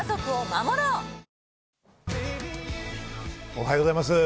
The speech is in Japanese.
おはようございます。